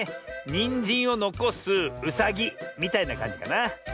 「にんじんをのこすうさぎ」みたいなかんじかな。